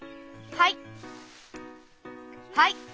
はい。